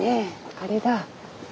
あれだ。